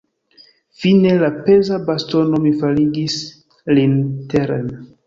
Fine per peza bastono mi faligis lin teren.